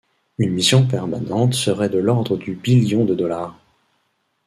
Une mission permanente serait de l'ordre du billion de dollars.